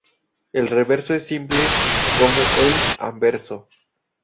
El reverso es simple como el anverso.